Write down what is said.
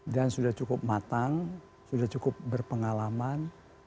dan sudah cukup matang sudah cukup berpengalaman